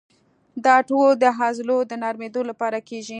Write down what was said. دا ټول د عضلو د نرمېدو لپاره کېږي.